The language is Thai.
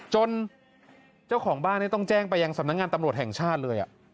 เจ้าของบ้านต้องแจ้งไปยังสำนักงานตำรวจแห่งชาติเลย